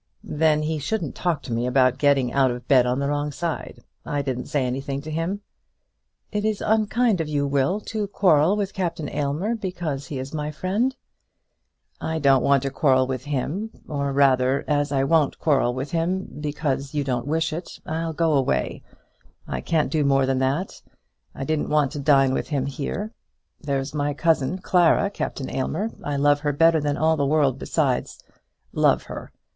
"Then he shouldn't talk to me about getting out of bed on the wrong side. I didn't say anything to him." "It is unkind of you, Will, to quarrel with Captain Aylmer because he is my friend." "I don't want to quarrel with him; or, rather, as I won't quarrel with him because you don't wish it, I'll go away. I can't do more than that. I didn't want to dine with him here. There's my cousin Clara, Captain Aylmer; I love her better than all the world besides. Love her!